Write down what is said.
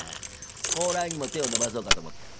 高麗にも手を伸ばそうかと思ってる。